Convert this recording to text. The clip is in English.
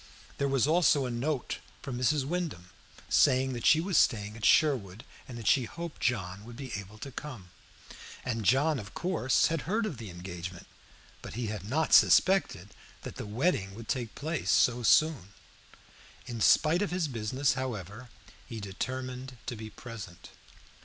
There was also a note from Mrs. Wyndham, saying that she was staying at Sherwood, and that she hoped John would be able to come. John had, of course, heard of the engagement, but he had not suspected that the wedding would take place so soon. In spite of his business, however, he determined to be present.